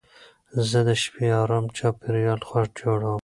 زه د شپې ارام چاپېریال جوړوم.